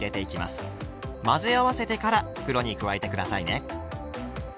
混ぜ合わせてから袋に加えて下さいね。